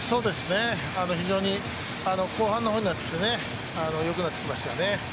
非常に後半の方になってきてよくなってきましたよね。